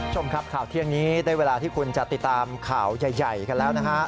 คุณผู้ชมครับข่าวเที่ยงนี้ได้เวลาที่คุณจะติดตามข่าวใหญ่กันแล้วนะฮะ